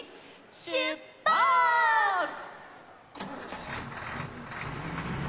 しゅっぱつ！